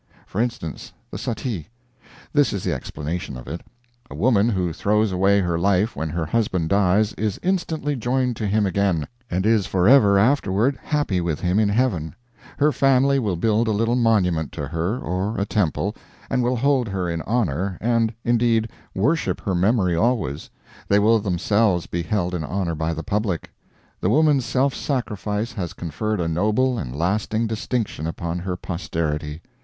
For instance the Suttee. This is the explanation of it: A woman who throws away her life when her husband dies is instantly joined to him again, and is forever afterward happy with him in heaven; her family will build a little monument to her, or a temple, and will hold her in honor, and, indeed, worship her memory always; they will themselves be held in honor by the public; the woman's self sacrifice has conferred a noble and lasting distinction upon her posterity.